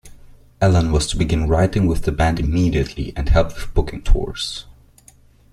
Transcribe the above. Allen was to begin writing with the band immediately and help with booking tours.